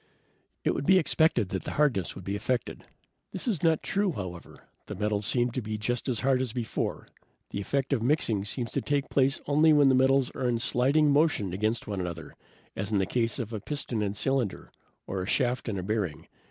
"It would be expected that the hardness would be affected. This is not true, however. The metals seem just as hard as before. The effect of mixing seems to take place only when the metals are in sliding motion against one another, as in the case of a piston and cylinder, or a shaft and a bearing.